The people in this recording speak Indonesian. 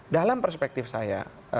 dalam perspektif saya